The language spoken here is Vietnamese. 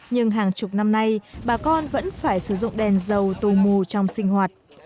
nhưng hàng chục năm nay bà con vẫn phải sử dụng đèn dầu tu mù trong sinh hoạt